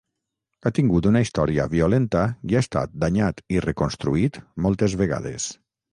Ha tingut una història violenta i ha estat danyat i reconstruït moltes vegades.